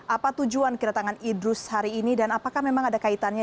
apa tujuan kedatangan idrus hari ini dan apakah memang ada kaitannya